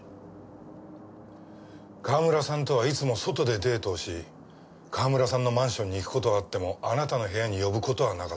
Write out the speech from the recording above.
川村さんとはいつも外でデートをし川村さんのマンションに行く事はあってもあなたの部屋に呼ぶ事はなかった。